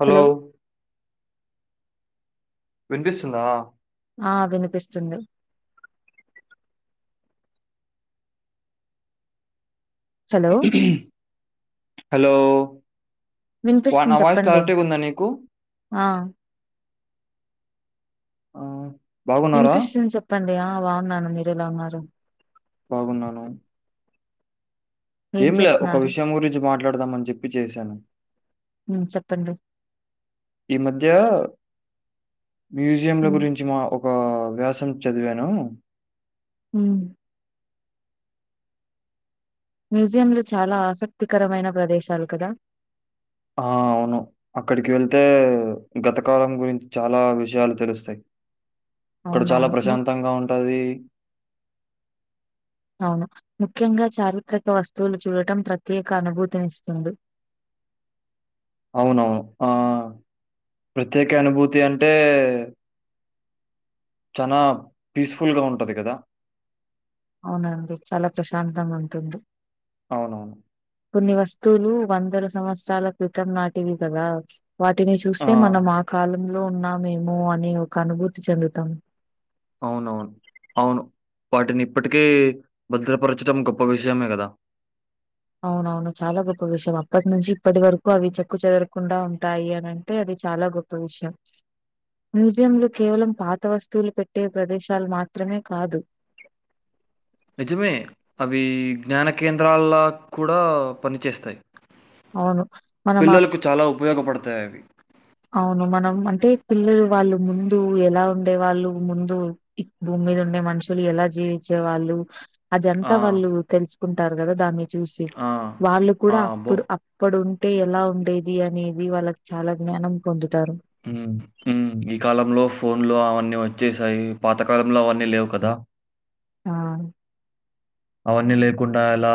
Hello వినిపిస్తుందా ఆ వినిపిస్తుంది హలో హలో వాన వినిపిస్తుంది వాయిస్ చెప్పండి. క్లారిటీగా ఉందా నీకు ఆ ఆ బాగున్నారా వినిపిస్తుంది చెప్పండి ఆ బాగున్నాను మీరు ఎలా ఉన్నారు బాగున్నాను ఏం ఏంలే ఒక చేస్తున్నారు? విషయం గురించి మాట్లాడదాం అని చెప్పి చేశాను హ్మ్ చెప్పండి. ఈ మధ్య మ్యూజియంల హ్మ్ గురించి మా ఒక వ్యాసం చదివాను ఉ మ్యూజియంలు చాలా ఆసక్తికరమైన ప్రదేశాలు కదా ఆ అవును అక్కడికి వెళ్తే గత కాలం గురించి చాలా విషయాలు తెలుస్తయ్ అక్కడ చాలా అవునవును. ము ప్రశాంతంగా ఉంటది అవును ముఖ్యంగా చారిత్రక వస్తువులు చూడటం ప్రత్యేక అనుభూతినిస్తుంది [inaudible] అవును అవును ఆ ప్రత్యేక అనుభూతి అంటే చనా పీస్ఫుల్ గా ఉంటది కదా అవును అండి చాలా ప్రశాంతంగా ఉంటుంది అవునవును కొన్ని వస్తువులు వందల సంవత్సరాల క్రితం నాటివి కదా వాటిని చూస్తే మనం ఆ కాలంలో ఉన్నామేమో అని ఒక అనుభూతి చెందుతాం అవునవును అవును వాటిని ఇప్పటికీ భద్రపరచడం గొప్ప విషయమే కదా అవునవును చాలా గొప్ప విషయం అప్పటి నుంచి ఇప్పటి వరకు అవి చెక్కు చెదరకుండా ఉంటాయి అని అంటే అది చాలా గొప్ప విషయం మ్యూజియంలు కేవలం పాత వస్తువులు పెట్టే ప్రదేశాలు మాత్రమే కాదు [inaudible] నిజమే అవి జ్ఞాన కేంద్రాల్లగా కూడా పని చేేస్తాయి అవును. మనం అప్ పిల్లలకు చాలా ఉపయోగపడతాయి అవి అవును మనం అంటే పిల్లలు వాళ్ళు ముందు ఎలా ఉండే వాళ్ళు ముందు భూమి మీద ఉండే మనుషులు ఎలా జీవించే వాళ్ళు అది ఆ! అంతా వాళ్ళు తెలుసుకుంటారు కదా దాన్ని చూసి ఆ! వాళ్ళు ఆ! కూడా అబ్బో! అప్పుడు అప్పుడు టే ఎలా ఉండేది అనేది వాళ్ళకి చాలా జ్ఞానం పొందుతారు ఉ ఊ ఈ కాలంలో ఫోన్లు అవన్నీ వచ్చేసాయి పాత కాలంలో అవన్నీ లేవు కదా ఆ అవన్నీ లేకుండా ఎలా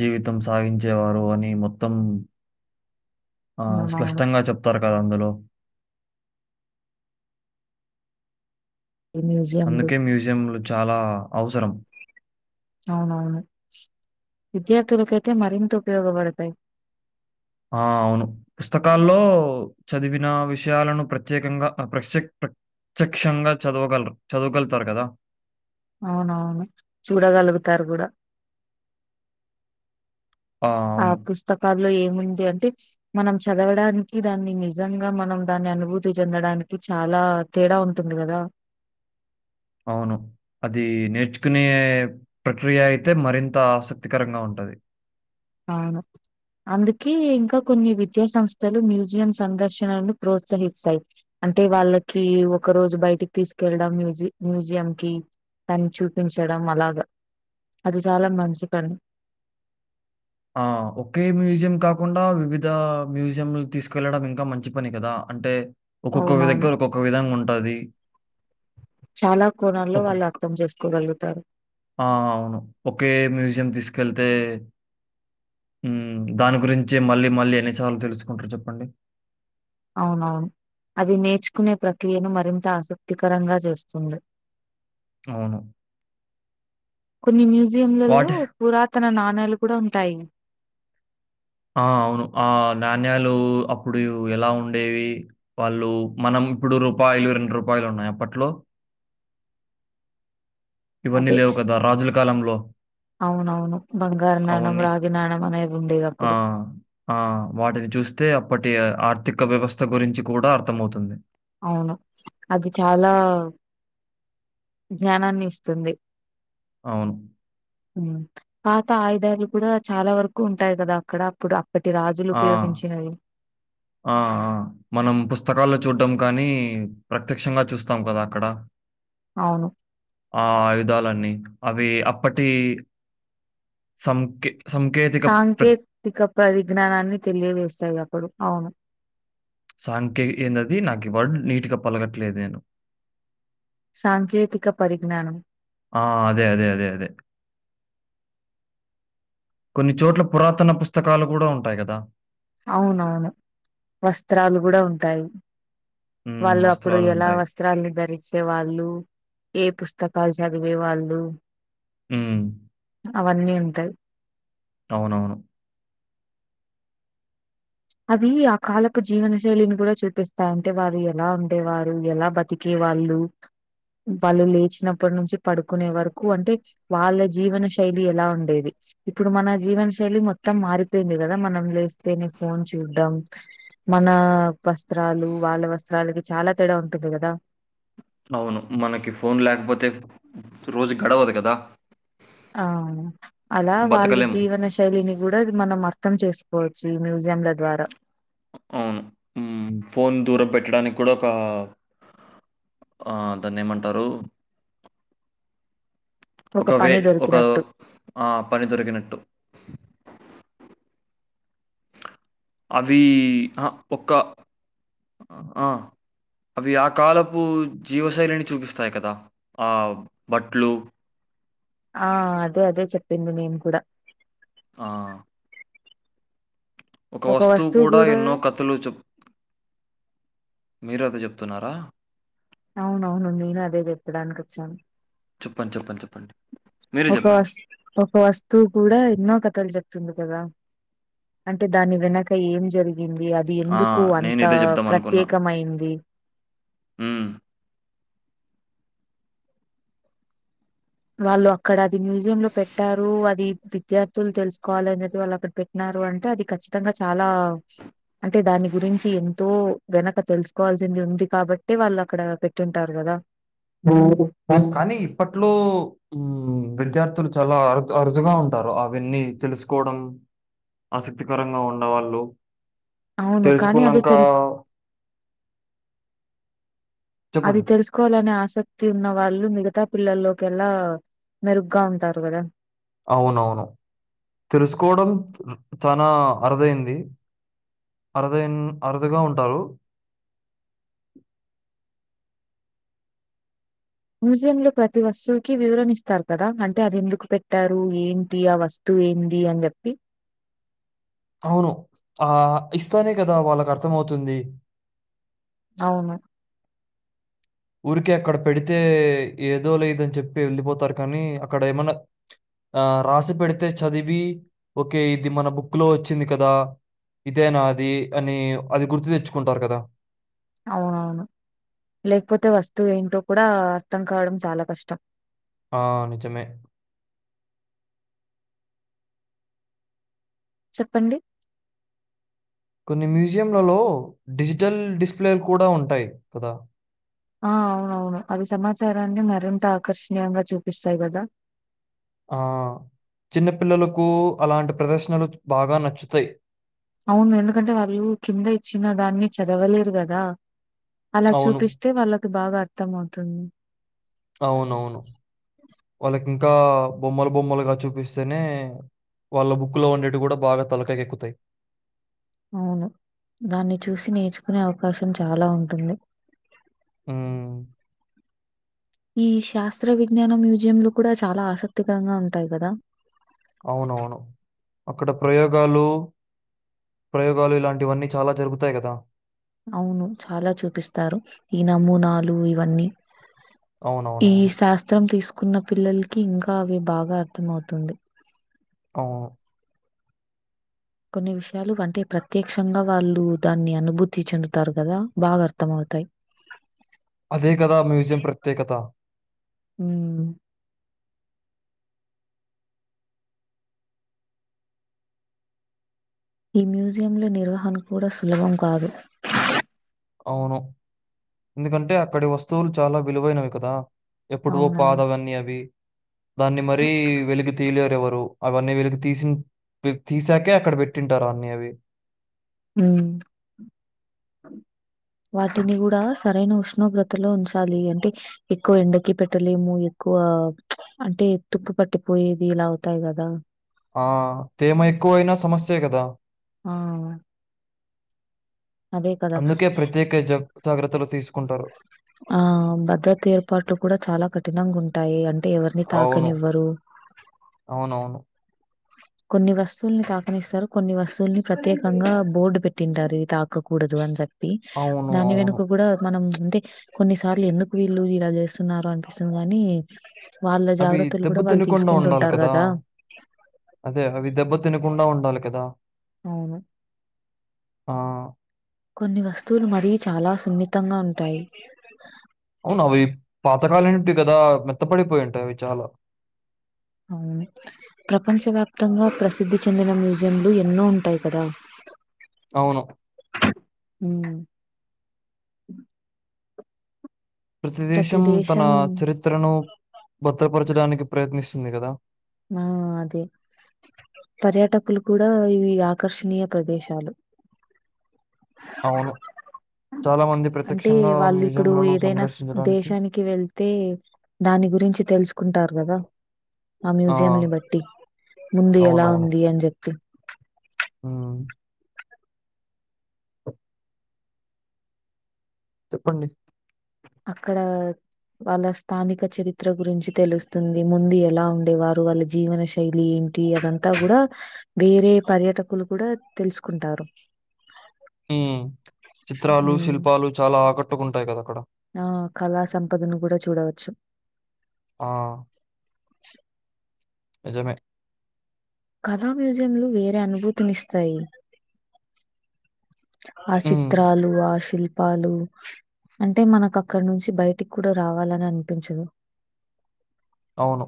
జీవితం సాగించేవారు అని మొత్తం ఆ అవునవును. స్పష్టంగా చెప్తారు కదా అందులో ఈ మ్యూజియంలు. అందుకే మ్యూజియంలు చాలా అవసరం అవునవును విద్యార్థులకయితే మరింత ఉపయోగపడతాయి ఆ అవును పుస్తకాల్లో చదివిన విషయాలను ప్రత్యేకంగా ప్రస్య ప్ర ప్రత్యక్షంగా చదవగలరు చదవగలుతారు కదా అవునవును చూడగలుగుతారు కూడా ఆ పుస్తకాల్ లో ఏముంది అంటే మనం చదవడానికి దాన్ని నిజంగా మనం దాన్ని అనుభూతి చెందడానికి చాలా తేడా ఉంటుంది కదా అవును అది నేర్చుకునే ప్రక్రియ అయితే మరింత ఆసక్తికరంగా ఉంటది అవును అందుకే ఇంకా కొన్ని విద్యా సంస్థలు మ్యూజియం సందర్శనను ప్రోత్సహిస్తాయి అంటే వాళ్ళకి ఒక రోజు బయటికి తీసుకెళ్లడం మ్యూజి మ్యూజియం కి తని చూపించడం అలాగా అది చాలా మంచి పని ఆ ఒకే మ్యూజియం కాకుండా వివిధ మ్యూజియంలు తీసుకెళ్లడం ఇంకా మంచి పని కదా అంటే ఒక్కొక్క అవునవును. దగ్గర ఒక్కొక్క విధంగా ఉంటది చాలా కోణాల్లో వాళ్ళు ఒక్కొక్క అర్థం చేసుకోగలుగుతారు ఆ అవును ఒకే మ్యూజియం తీసుకెళ్తే దాని గురించే మళ్ళీ మళ్ళీ ఎన్నిసార్లు తెలుసుకుంటారు చెప్పండి అవునవును అది నేర్చుకునే ప్రక్రియను మరింత ఆసక్తికరంగా చేస్తుంది అవును కొన్ని వాటి మ్యూజియంలలో పురాతన నాణాలు కూడా ఉంటాయి ఆ అవును ఆ నాణ్యాలు అప్పుడు ఎలా ఉండేవి వాళ్ళు మనం ఇప్పుడు రూపాయలు రెండు రూపాయలు ఉన్నాయి అప్పట్లో ఇవన్నీ అదే లేవు కదా రాజుల కాలంలో అవునవును బంగారు నాణం అవన్నీ. రాగి నాణం మనే ఉండేవి ఆ ఆ వాటిని చూస్తే అప్పటి ఆర్థి ఒక వ్యవస్థ గురించి కూడా అర్థమవుతుంది అవును అది చాలా జ్ఞానాన్ని ఇస్తుంది అవును. ఉ పాత ఆయుధాలు కూడా చాలా వరకు ఉంటాయి కదా అక్కడ అప్పుడు అప్పటి రాజులు ఆ! ఉపయోగించినవి ఆ మనం పుస్తకాల్లో చూడ్డం కానీ ప్రత్యక్షంగా చూస్తాం కదా అక్కడ అవును. ఆ ఆయుధాలన్నీ అవి అప్పటి సంఖి సాంకేతిక పరిజ్ఞానాన్ని తెలియజేస్తాయి అప్పుడు అవును సాంఖ్య ఎందదీ నాకు వర్డ్ నీట్గా పలగట్లేదు నేను సాంకేతిక పరిజ్ఞానం. ఆ అదే అదే అదే అదే కొన్ని చోట్ల పురాతన పుస్తకాలు కూడా ఉంటాయి కదా. అవునవును వస్త్రాలు కూడా ఉంటాయి హ్మ్. వాళ్ళు అప్పుడు ఎలా వస్త్రాలుంటాయి. వస్త్రాని ధరించే వాళ్ళు ఏ పుస్తకాలు చ చదివే వాళ్లు ఉ అవన్నీ ఉంటయి అవునవును అవి ఆ కాలపు జీవన శైలిని కూడా చూపిస్తా అంటే వారు ఎలా ఉండేవారు ఎలా బతికే వాళ్ళు వాళ్ళు లేచినప్పటి నుంచి పడుకునే వరకు అంటే వాళ్ళ జీవన శైలి ఎలా ఉండేది ఇప్పుడు మన జీవనశైలి మొత్తం మారిపోయింది గదా మనం లేస్తేనే ఫోన్ చూడ్డం మన వస్త్రాలు వాళ్ళ వస్త్రాలకి చాలా తేడా ఉంటుంది కదా అవును మనకి ఫోన్ లేకపోతే రోజు గడవదు కదా ఆ అలా వాళ్ళ బతకలేము. జీవన శైలిని కూడా మనం అర్ మం చేసుకోవచ్చు ఈ మ్యూజియంల ద్వారా అవును ఉ ఫోన్ దూరం పెట్టడానికి కూడా ఒక ఆ దాన్ని ఏమంటారు ఒక ఒకవే పని ఒక దొరికినట్టు. ఆ పని దొరికినట్టు అవి ఆహా ఒక్క ఆ అవి ఆ కాలపు జీవశైలిని చూపిస్తాయి కదా ఆ బట్లు ఆ అదే అదే చెప్పింది నేను కూడా ఆ ఒక వస్తువు కూడా ఎన్నో కత్తులు చెప్ మీరుద చెప్తున్నారా అవునవును నేను అదే చెప్పడానికి వచ్చాను చెప్పండి. చెప్పండి. చెప్పండి. మీరే ఒక చెప్పండి. వస్తు ఒక వస్తువు కూడా ఎన్నో కథలు చెప్తుంది కదా అంటే దాని వెనక ఏం జరిగి గింది అది ఆ! ఎందుకు నేను అంత ఇదే చెప్దాం ప్రత్యేకమయింది ఉ వాళ్ళు అక్కడ అది మ్యూజియంలో పెట్టారు అది విద్యార్థులు తెలుసుకోవాలినే చెప్పి వాళ్ళు అక్కడ పెట్నా అంటే అది ఖచ్చితంగా చాలా అంటే దాని గురించి ఎంతో వెనక తెలుసుకోవాల్సింది ఉంది కాబట్టే వాళ్ళు అక్కడ పెట్టింటారు కదా అ కానీ ఇప్పట్లో విద్యార్థులు చాలా అరు అరుదుగా ఉంటా అవన్నీ తెలుసుకోవడం ఆసక్తికరంగా ఉన్నవాళ్ళు అవును. కానీ అది తెలుసుకున్నంక తెలుస్ అది తెలుసుకోవాలనే ఆసక్ తి ఉన్న వాళ్ళు మిగతా పిల్లల్లోకి ఎల్ల మెరుగ్గా ఉంటారు కదా అవునవును తెలుసుకోవడం చనా అరుదైంది అరుదయిన్ అరుదుగా ఉంటారు మ్యూజియంలో ప్రతి వస్తువుకి వివరణ ఇస్తారు కదా అంటే అది ఎందుకు పెట్టారు ఏంటి ఆ వస్తువు ఏంది అని చెప్పి అవును ఆ ఇస్తానే కదా వాళ్ళకు అర్థం అవుతుంది అవును ఊరికె అక్కడ పెడితే ఏదో లేదని చెప్పి వెళ్ళిపోతారు కానీ అక్కడ ఏమన్నా ఆ రాసి పెడితే చదివి ఓకే ఇది మన బుక్ లో వచ్చింది కదా ఇదేనా అది అని అది గుర్తు తెచ్చుకుంటారు కదా అవునవును లేకపోతే వస్తువు ఏంటో కూడా అర్థం కావడం చాలా కష్టం ఆ నిజమే చెప్పండి కొన్ని మ్యూజియంలలో డిజిటల్ డిస్ప్లేలు కూడా ఉంటాయి కదా ఆ అవునవును అవి సమాచారాన్ని మరింత ఆకర్షణీయంగా చూపిస్తాయి కదా ఆ చిన్నపిల్లలకు అలాంటి ప్రదర్శనలు బాగా నచ్చుతాయి అవును ఎందుకంటే వాళ్ళు కింద ఇచ్చిన దాన్ని చదవలేరు కదా అలా అవును. చూపిస్తే వాళ్ళకి బాగా అర్థంమవుతుంది అవునవును వాళ్ళ ఇంకా బొమ్మలు బొమ్మలుగా చూపిస్తేనే వాళ్ళు బుక్కులో ఉండేటివి కూడా బాగా తలకైకెక్కుతాయి అవును దాన్ని చూసి నేర్చుకునే అవకాశం చాలా ఉంటుంది ఊ ఈ శాస్త్ర విజ్ఞాన మ్యూజియంలు కూడా చాలా ఆసక్తికరంగా ఉంటాయి కదా అవునవును అక్కడ ప్రయోగాలు ప్రయోగాలు ఇలాంటివన్నీ చాలా జరుగుతాయి కదా అవును చాలా చూపిస్తారు ఈ నమూనాలు ఇవన్నీ ఈ అవునవునవును శాస్త్రం తీస్ కున్న పిల్లలకి ఇంకా అవి బాగా అర్థంమవుతుంది ఆ కొన్ని విషయాలు అంటే ప్రత్యక్షంగా వాళ్ళు దాన్ని అనుభూతి చెందుతారు కదా బాగా అర్థంమవుతాయ్ అదే కథ మ్యూజియం ప్రత్యేకత హ్మ్. ఈ మ్యూజియంలో నిర్వహణ కూడా సులభం కాదు అవును ఎందుకంటే అక్కడి వస్తువులు చాలా విలువైనవి కదా ఎప్పుడువో అవునవును. పాదవన్నీ అవి దాన్ని మరీ వెలిగి తీయలేరు ఎవరు అవన్నీ వెలికి తీసిన్ తీసాకే అక్కడ పెట్టింటారు అన్నీ అవి ఊ వాటిని కూడా సరైన ఉష్ణోగ్రతలో ఉంచాలి అంటే ఎక్కువ ఎండకి పెట్టలేము ఎక్కు అంటే తుప్పు పట్టి పోయేది ఇలా అవుతాయి కదా ఆ తేమ ఎక్కువయినా సమస్యే కదా ఆ! అదే కదా! అందుకే ప్రత్యేక జ జాగ్రత్తలు తీసుకుంటారు ఆ భద్రత ఏర్పాట్లు కూడా చాలా కఠినంగా ఉంటాయి అం అంటే ఎవరిని అవును తాకనివ్వరు అవునవును కొన్ని వస్తువుల్ని తాకనిస్తారు కొన్ని వస్తువుల్ని ప్రత్యేకంగా బోర్డు పెట్టింటారు ఇవి తాకకూడదు అని చెప్ పి అవును దాని అవును వెనుక కూడా మనం అయితే కొన్నిసార్లు ఎందుకు వీళ్ళు ఇలా చేస్తున్నారు అనిపిస్తుంది గాని. వాళ్ళ అవి జాగ్రత్తలు దెబ్బ కూడా వాళ్ళు తినకుండా ఉండాలి తీసుకుంటుంటారు కదా. అదే అవి దెబ్బ తినకుండా ఉండాలి కదా. అవును. ఆహ్. కొన్ని వస్తువులు మరీ చాలా సున్నితంగా ఉంటాయి. అవునా అవి పాతకాలంటివి కదా మెత్తపడిపోయి ఉంటవి అవి చాలా. ఉమ్ ప్రపంచవ్యాప్తంగా ప్రసిద్ధి చెందిన మ్యూజియంలు ఎన్నో ఉంటాయి కదా. అవును. ఉమ్. ప్రతి దేశం తన చరిత్రను భద్రపరచడానికి ప్రయత్నిస్తుంది కదా. ఆహ్ అదే. పర్యాటకులకు కూడా ఇవి ఆకర్షణీయ ప్రదేశాలు. అవును. చాలా మంది అంటే ప్రత్యక్షంగా వాళ్ళు ఇప్పుడు మ్యూజియంలను ఏదైనా సందర్శించడానికి దేశానికి వెళ్తే. దాని గురించి తెలుసుకుంటారు కదా అవి. ఆ! మ్యూజియం ని బట్టి ముందు ఎలా ఉంది అని చెప్పి. ఉమ్. చెప్పండి. అక్కడ. వాళ్ళ స్థానిక చరిత్ర గురించి తెలుస్తుంది ముందు ఎలా ఉండేవారు వాళ్ళ జీవన శైలి ఏంటి. ఏ అదంతా కూడా వేరే పర్యాటకులు కూడా తెలుసుకుంటారు. ఉమ్ చిత్రాలు శిల్పాలు చాలా ఆకట్టుకుంటాయి కదా అక్కడ. ఆహ్ కళా సంపదను కూడా చూడవచ్చు. ఆహ్. నిజమే. కళా మ్యూజియంలు వేరే అనుభూతులనిస్తాయి. ఆ హ్మ్. చిత్రాలు ఆ శిల్పి. పాలు అంటే మనకు అక్కడ నుంచి బయటికి కూడా రావాలని అనిపించదు. అవును.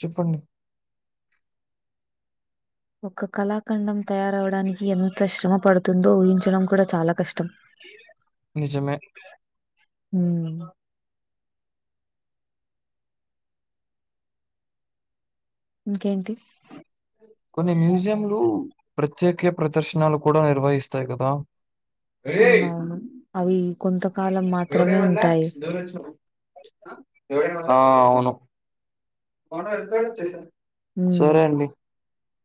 చెప్పండి. ఒక కళాఖండం తయారవడానికి ఎంత శ్రమ పడుతుందో ఊహించడం కూడా చాలా కష్టం. నిజమే. ఉమ్. ఇంకేంటి. కొన్ని మ్యూజియంలు ప్రత్యేకే ప్రదర్శనలు కూడా నిర్వహిస్తాయి కదా. హే అర అవునవును అవి కొంతకాలం ఎవడే మాత్రమే మల్లా ఉంటాయి. డోరొచ్చి. ఆహ్. ఆహ్ అవును హ్మ్ సరే అండి.